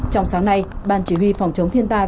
trong sáng nay ban chỉ huy phòng chống thiên tai